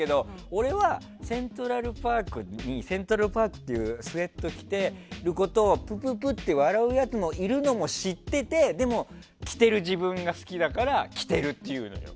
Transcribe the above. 俺は、セントラルパークにいてセントラルパークっていうスウェット着てるのをプププって笑うやつがいるのも知っててでも、着てる自分が好きだから着てるという。